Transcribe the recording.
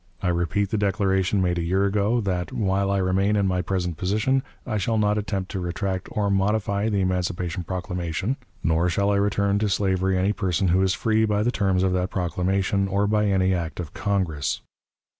I repeat the declaration made a year ago, that 'while I remain in my present position I shall not attempt to retract or modify the emancipation proclamation, nor shall I return to slavery any person who is free by the terms of that proclamation, or by any act of Congress.'